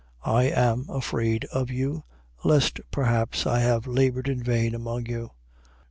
I am afraid of you, lest perhaps I have laboured in vain among you.